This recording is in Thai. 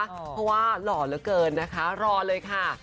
เพราะว่าหล่อเหลือเกินนะคะรอเลยค่ะ